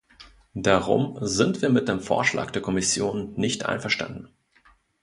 Darum sind wir mit dem Vorschlag der Kommission nicht einverstanden.